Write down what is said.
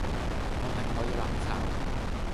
我係「我要攬炒」